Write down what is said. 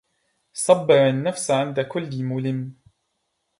صبر النفس عند كل ملم